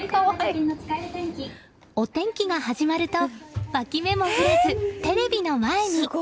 お天気が始まるとわき目も振らずテレビの前に。